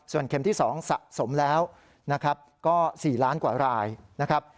เข็มที่๒สะสมแล้วนะครับก็๔ล้านกว่ารายนะครับ